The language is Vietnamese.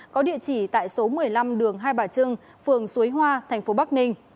có địa chỉ tại số một mươi năm đường hai bà trưng phường suối hoa tp bắc ninh